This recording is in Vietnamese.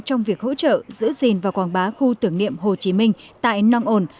trong việc hỗ trợ giữ gìn và quảng bá khu tưởng niệm hồ chí minh tại nong on